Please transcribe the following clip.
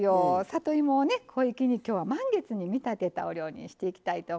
里芋をね小粋に今日は満月に見立てたお料理にしていきたいと思いますね。